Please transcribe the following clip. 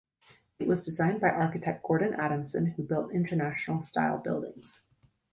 It was designed by architect Gordon Adamson, who built International style buildings.